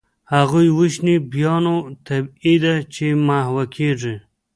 هغوی وژني، بیا نو طبیعي ده چي محوه کیږي.